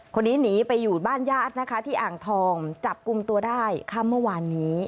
คนนี้หนีไปอยู่บ้านญาตินะคะที่อ่างทองจับกลุ่มตัวได้ค่ำเมื่อวานนี้